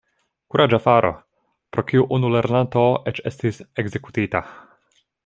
Kuraĝa faro, pro kiu unu lernanto eĉ estis ekzekutita.